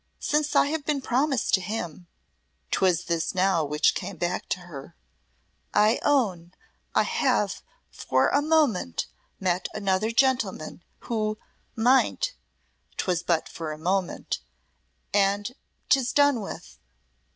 Since I have been promised to him" ('twas this which now came back to her) "I own I have for a moment met another gentleman who might 'twas but for a moment, and 'tis done with."